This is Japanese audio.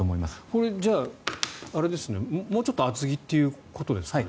これ、じゃあもうちょっと厚着ということですかね。